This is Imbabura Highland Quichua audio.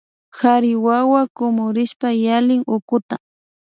Kari wawa kumurishpa yalin hutkuta